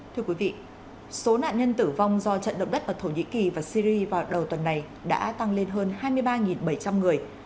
thưa quý vị số nạn nhân tử vong do trận động đất ở thổ nhĩ kỳ và syri vào đầu tuần này đã tăng lên hơn hai mươi ba bảy trăm linh người